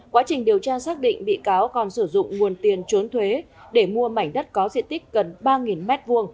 quá trình điều tra xác định bị cáo còn sử dụng nguồn tiền trốn thuế để mua mảnh đất có diện tích gần ba m hai